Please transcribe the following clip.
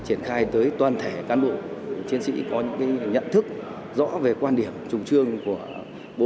triển khai tới toàn thể cán bộ chiến sĩ có những nhận thức rõ về quan điểm trùng trương của bộ